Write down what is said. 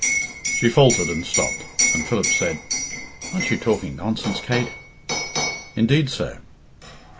She faltered and stopped, and Philip said, "Aren't you talking nonsense,' Kate?" "Indeed, sir!"